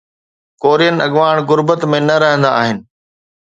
Korean اڳواڻ غربت ۾ نه رهندا آهن.